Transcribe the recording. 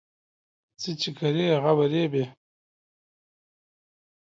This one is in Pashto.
څه چې کرې هغه به ریبې